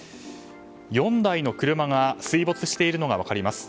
４台の車が水没しているのが分かります。